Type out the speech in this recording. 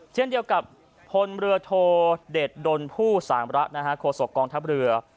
เช่นเดียวกับพลเรือโทเด็ดดนผู้สามระโฆษกองทัพเรือ